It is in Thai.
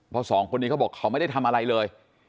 เพราะสองคนนี้เขาบอกเขาไม่ได้ทำอะไรเลย